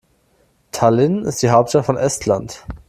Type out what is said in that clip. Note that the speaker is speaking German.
Tallinn ist die Hauptstadt von Estland.